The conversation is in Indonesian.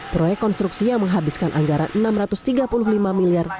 proyek konstruksi yang menghabiskan anggaran rp enam ratus tiga puluh lima miliar